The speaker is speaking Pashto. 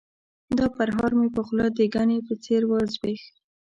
دا پرهار مې په خوله د ګني په څېر وزبیښ.